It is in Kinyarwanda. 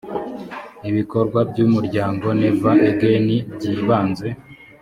ibikorwa by umuryango never again byibanze